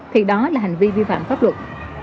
thì đó là hành vi vi phạm pháp luật